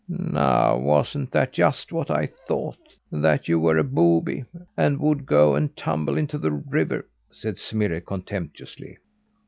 "Now wasn't that just what I thought that you were a booby, and would go and tumble into the river?" said Smirre, contemptuously.